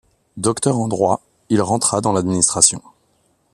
Docteur en droit, il rentra dans l'administration.